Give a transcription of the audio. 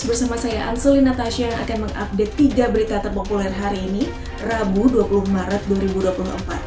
bersama saya anzali natasha yang akan mengupdate tiga berita terpopuler hari ini rabu dua puluh maret dua ribu dua puluh empat